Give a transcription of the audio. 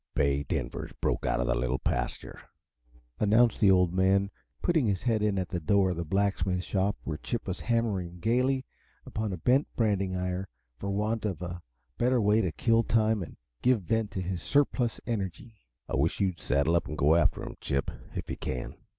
"Bay Denver's broke out uh the little pasture," announced the Old Man, putting his head in at the door of the blacksmith shop where Chip was hammering gayly upon a bent branding iron, for want of a better way to kill time and give vent to his surplus energy. "I wish you'd saddle up an' go after him, Chip, if yuh can.